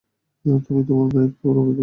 তুমি তোমার মায়ের পুরো পৃথিবী, মেই-মেই।